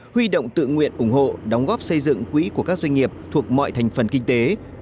huy động tự nguyện ủng hộ đóng góp xây dựng quỹ của các doanh nghiệp thuộc mọi thành phần kinh tế